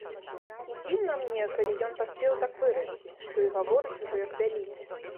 І дзіўна мне, калі ён паспеў так вырасці, што і гаворыць ужо як вялікі.